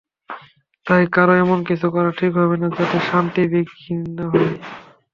তাই, কারও এমন কিছু করা ঠিক হবে না, যাতে শান্তি বিঘ্নিত হয়।